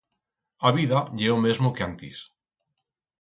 A vida ye o mesmo que antis...